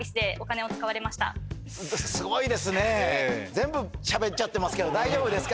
全部しゃべっちゃってますけど大丈夫ですか？